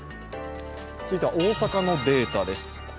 続いては大阪のデータです。